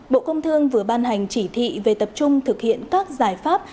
bộ công thương vừa ban hành chỉ thị về tập trung thực hiện các giải pháp